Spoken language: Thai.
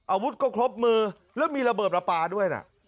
อาวุธก็ครบมือแล้วมีระเบิดประปาด้วยนะ